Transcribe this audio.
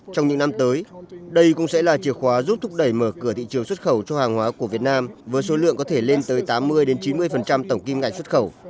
trong những năm tới đây cũng sẽ là chìa khóa giúp thúc đẩy mở cửa thị trường xuất khẩu cho hàng hóa của việt nam với số lượng có thể lên tới tám mươi chín mươi tổng kim ngạch xuất khẩu